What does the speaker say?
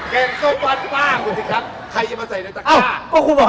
แกงส้มวัดป้าคุณสิครับ